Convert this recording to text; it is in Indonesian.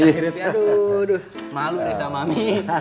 aduh malu deh sama mami